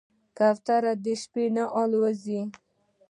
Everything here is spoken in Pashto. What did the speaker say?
کوتره د شپې نه الوزي.